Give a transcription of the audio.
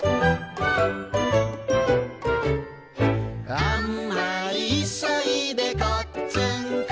「あんまりいそいでこっつんこ」